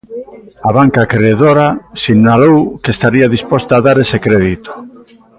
A banca acredora sinalou que estaría disposta a dar ese crédito.